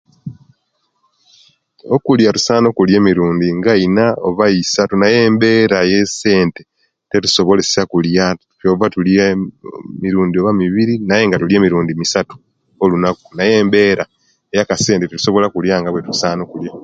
Okulya tusaana okulya emirundi nga iina oba isatu naye embeera ye'sente tetusobolesya okulya kyova tulya emirundi nga bibiri naye nga tulya emirundi nga missatu olunaku naye embeera yekasente tetusobola okulya nga owetusaanile okulya